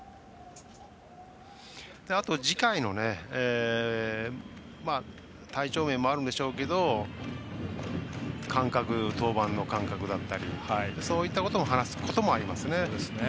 次回の体調面もあるんでしょうが登板の間隔だったりそういったことも話すことがありますね。